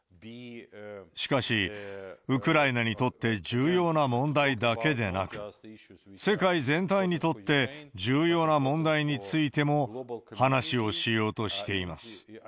しかし、ウクライナにとって重要な問題だけでなく、世界全体にとって重要な問題についても話をしようとしています。